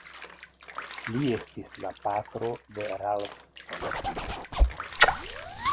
Li estis la patro de Ralph Teleki.